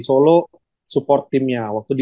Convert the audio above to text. solo support timnya waktu di